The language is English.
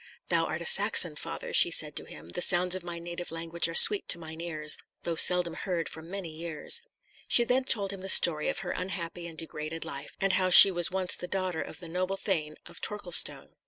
"Thou art a Saxon, father," she said to him; "the sounds of my native language are sweet to mine ears, though seldom heard for many years." She then told him the story of her unhappy and degraded life, and how she was once the daughter of the noble thane of Torquilstone.